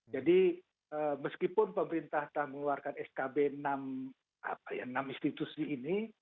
jadi meskipun pemerintah telah mengeluarkan skb enam institusi ini